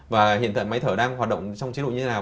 và hiện tại máy thở đang hoạt động trong chế độ như thế nào